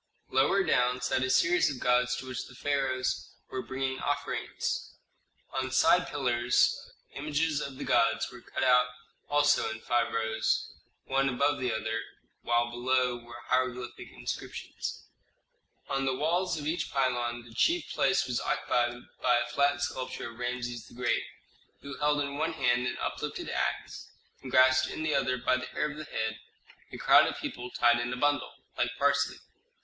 Lower down sat a series of gods to which the pharaohs were bringing offerings. On side pillars images of the gods were cut out also in five rows, one above the other, while below were hieroglyphic inscriptions. On the walls of each pylon the chief place was occupied by a flat sculpture of Rameses the Great, who held in one hand an uplifted axe and grasped in the other, by the hair of the head, a crowd of people tied in a bundle, like parsley.